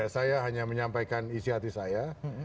saya hanya menyampaikan isi hati saya